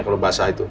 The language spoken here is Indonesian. kalau basah itu